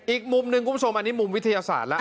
อีกมุมหนึ่งคุณผู้ชมอันนี้มุมวิทยาศาสตร์แล้ว